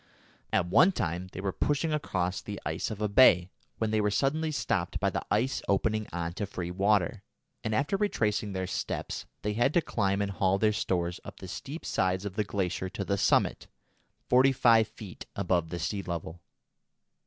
At one time they were pushing across the ice of a bay, when they were suddenly stopped by the ice opening on to free water, and, after retracing their steps, they had to climb and haul their stores up the steep sides of the glacier to the summit, forty five feet above the sea level.